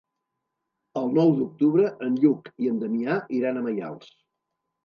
El nou d'octubre en Lluc i en Damià iran a Maials.